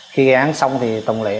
khi gây án xong thì tùng lại